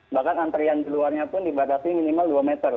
bahkan antrian keluarnya pun dibatasi minimal dua meter